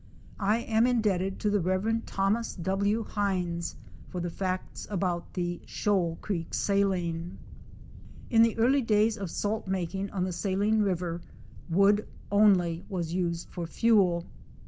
I am in debted to the Rev. Thos. W. Hynes for the facts about the Shoal creek saline. In the early days of salt making on the Saline river wood only was used for fuel.